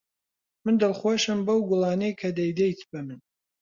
من دڵخۆشم بەو گوڵانەی کە دەیدەیت بە من.